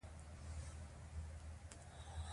د خپلې ژبې قدر وپیژنئ.